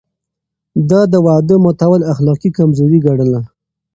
ده د وعدو ماتول اخلاقي کمزوري ګڼله.